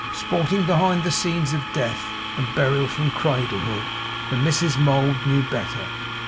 Sporting behind the scenes of death and burial from cradlehood, the Misses Mould knew better.